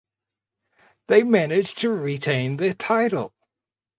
They managed to retain their title.